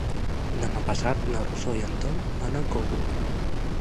Demà passat na Rosó i en Tom van al Cogul.